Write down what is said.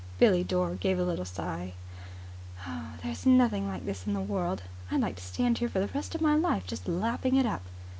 Billie Dore gave a little sigh. "There's nothing like this in the world. I'd like to stand here for the rest of my life, just lapping it up."